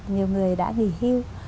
nhiều người đã nghỉ hưu